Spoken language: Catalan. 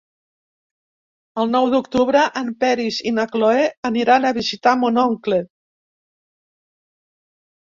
El nou d'octubre en Peris i na Cloè aniran a visitar mon oncle.